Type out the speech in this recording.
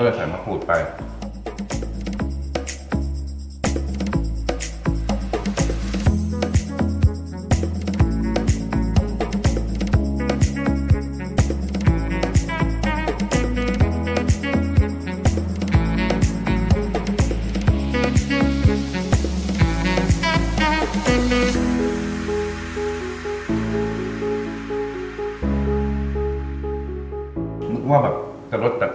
สุดท้ายเราก็ใส่เอ่อมะกรูดซอยอืมให้มีความเป็นข้างเทศของในไทยด้วย